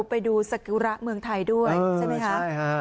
ไปดูสกุระเมืองไทยด้วยใช่ไหมคะ